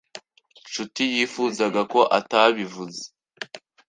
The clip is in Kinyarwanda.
Nshuti yifuzaga ko atabivuze.